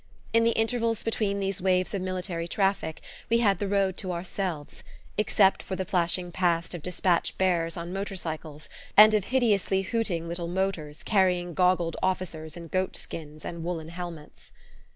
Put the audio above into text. In the intervals between these waves of military traffic we had the road to ourselves, except for the flashing past of despatch bearers on motor cycles and of hideously hooting little motors carrying goggled officers in goat skins and woollen helmets.